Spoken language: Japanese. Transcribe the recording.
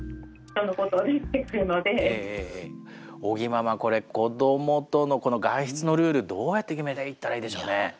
尾木ママこれ子どもとのこの外出のルールどうやって決めていったらいいでしょうね。